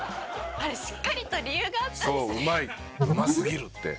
あれしっかりと理由があったんですね。